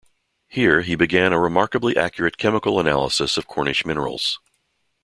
Here, he began a remarkably accurate chemical analysis of Cornish minerals.